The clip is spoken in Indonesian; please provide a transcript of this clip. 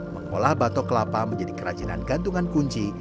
mengolah batok kelapa menjadi kerajinan gantungan kunci